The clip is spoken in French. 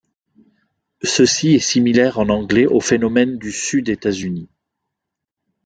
Ceci est similaire en anglais au phénomène du sud-États-Unis.